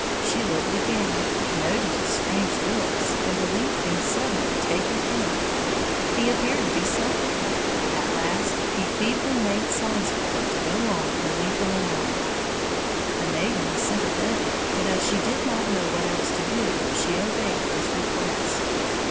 She looked again, noted his strange looks, and believed him suddenly taken ill. He appeared to be suffering. At last he feebly made signs for her to go on and leave him alone. The maiden was sympathetic, but as she did not know what else to do she obeyed his request.